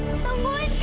tapi serahkan kelinci itu